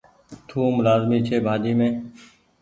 ٿوم لآزمي ڇي ڀآڃي مين۔